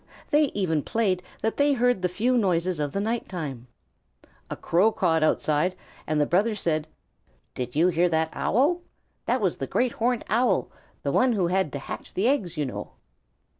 They even played that they heard the few noises of the night time. A Crow cawed outside, and the brother said, "Did you hear that Owl? That was the Great Horned Owl, the one who had to hatch the eggs, you know."